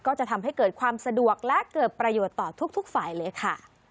ก็จะทำให้เกิดความสะดวกและเกิดประโยชน์ต่อทุกฝ่ายเลยค่ะ